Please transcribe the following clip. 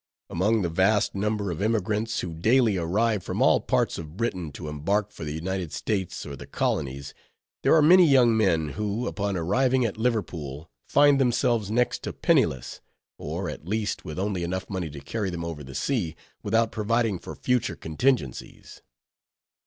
Among the vast number of emigrants, who daily arrive from all parts of Britain to embark for the United States or the colonies, there are many young men, who, upon arriving at Liverpool, find themselves next to penniless; or, at least, with only enough money to carry them over the sea, without providing for future contingencies.